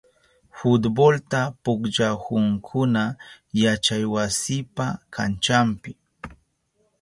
Futbolta pukllahunkuna yachaywasipa kanchanpi.